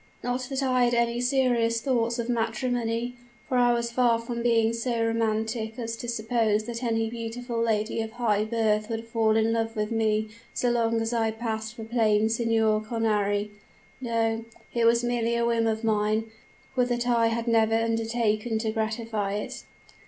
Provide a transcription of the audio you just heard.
Not that I had any serious thoughts of matrimony; for I was far from being so romantic as to suppose that any beautiful lady of high birth would fall in love with me so long as I passed for plain Signor Cornari. No; it was merely a whim of mine would that I had never undertaken to gratify it.